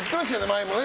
前もね。